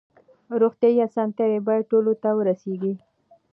روغتیايي اسانتیاوې باید ټولو ته ورسیږي.